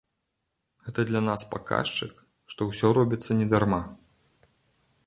Гэта для нас паказчык, што ўсё робіцца не дарма.